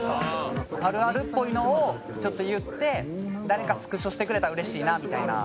「あるあるっぽいのをちょっと言って誰かスクショしてくれたらうれしいなみたいな」